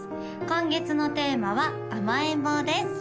今月のテーマは「甘えん坊」です